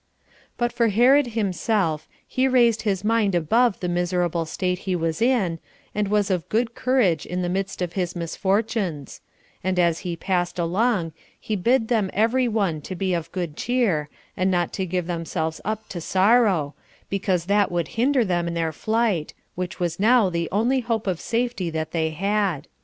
8. But for Herod himself, he raised his mind above the miserable state he was in, and was of good courage in the midst of his misfortunes; and as he passed along, he bid them every one to be of good cheer, and not to give themselves up to sorrow, because that would hinder them in their flight, which was now the only hope of safety that they had.